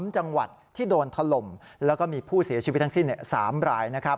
๓จังหวัดที่โดนถล่มแล้วก็มีผู้เสียชีวิตทั้งสิ้น๓ราย